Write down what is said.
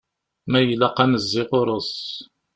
Ma ilaq ad nezzi ɣur-s.